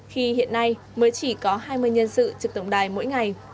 khi hiện nay mới chỉ có hai mươi nhân sự trực tổng đài mỗi ngày